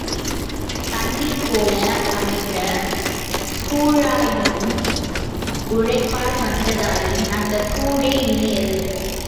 தண்ணீர்போல அமைந்த கூழாயினும் உழைப்பால் வந்ததாயின் அந்தக் கூழே இனியது.